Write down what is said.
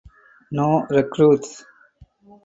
No recruits.